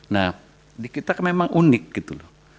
nah kita memang unik gitu